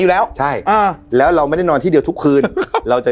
อยู่แล้วใช่อ่าแล้วเราไม่ได้นอนที่เดียวทุกคืนเราจะ